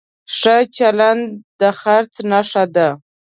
ښه چلند د خرڅ نښه ده.